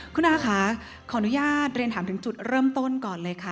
คุณอาค่ะขออนุญาตเรียนถามถึงจุดเริ่มต้นก่อนเลยค่ะ